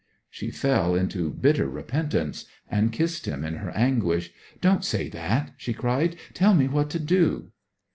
She fell into bitter repentance, and kissed him in her anguish. 'Don't say that!' she cried. 'Tell me what to do?'